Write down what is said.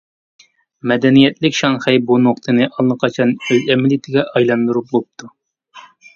مەدەنىيەتلىك شاڭخەي بۇ نۇقتىنى ئاللىقاچان ئۆز ئەمەلىيىتىگە ئايلاندۇرۇپ بوپتۇ.